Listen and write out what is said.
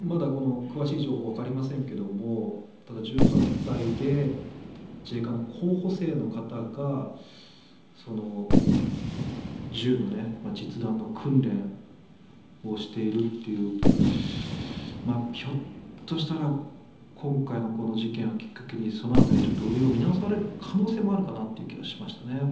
まだ詳しい情報は分かりませんけどもただ１８歳で自衛官候補生の方が銃の実弾の訓練をしているというひょっとしたら今回のこの事件をきっかけにその辺り、ちょっと運用を見直される可能性もあるという気がしましたね。